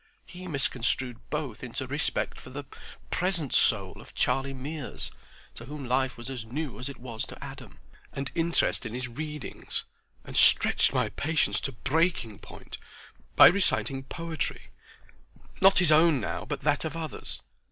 He misconstrued both into respect for the present soul of Charlie Mears, to whom life was as new as it was to Adam, and interest in his readings; and stretched my patience to breaking point by reciting poetry—not his own now, but that of others.